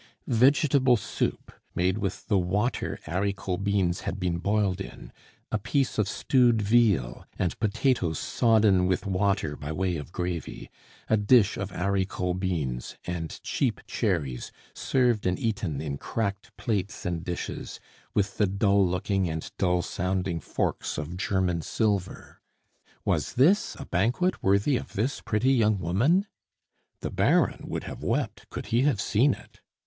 Vegetable soup made with the water haricot beans had been boiled in, a piece of stewed veal and potatoes sodden with water by way of gravy, a dish of haricot beans, and cheap cherries, served and eaten in cracked plates and dishes, with the dull looking and dull sounding forks of German silver was this a banquet worthy of this pretty young woman? The Baron would have wept could he have seen it.